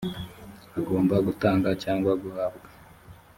agomba gutanga cyangwa guhabwa